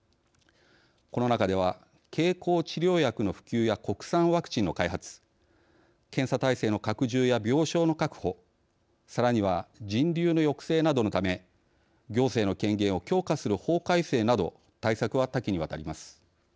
この中では経口治療薬の普及や国産ワクチンの開発検査体制の拡充や病床の確保さらには人流の抑制などのため行政の権限を強化する法改正など対策は多岐にわたります。